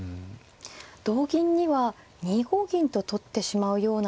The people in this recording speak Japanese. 同銀には２五銀と取ってしまうような手も。